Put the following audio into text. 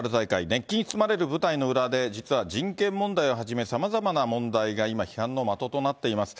熱気に包まれる舞台の裏で、実は人権問題をはじめ、さまざまな問題が今、批判の的となっています。